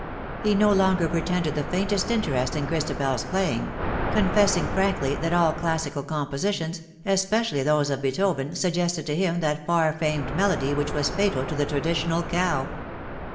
He no longer pretended the faintest interest in ChristabeFs playing — confessing frankly that all classical com positionsj especially those of Beethoven, suggested to him that far famed melody which was fatal to the traditional cow.